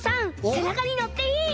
せなかにのっていい？